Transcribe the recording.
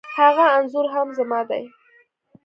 هغه انخورهم زما دی